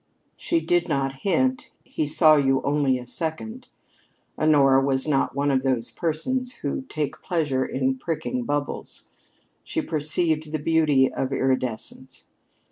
She did not hint: "He saw you only a second." Honora was not one of those persons who take pleasure in pricking bubbles. She perceived the beauty of iridescence.